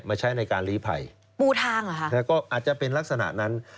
มาใช้ในการลีภัยแล้วก็อาจจะเป็นลักษณะนั้น